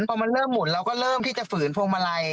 พอมันเริ่มหมุนเราก็เริ่มที่จะฝืนพวงมาลัย